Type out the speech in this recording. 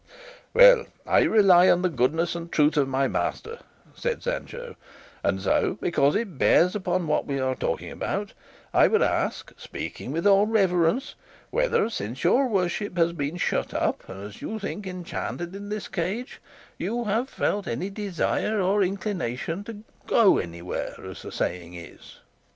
"Well, I rely on the goodness and truth of my master," said Sancho; "and so, because it bears upon what we are talking about, I would ask, speaking with all reverence, whether since your worship has been shut up and, as you think, enchanted in this cage, you have felt any desire or inclination to go anywhere, as the saying is?"